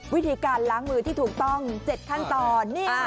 วิธีการล้างมือที่ถูกต้อง๗ขั้นตอน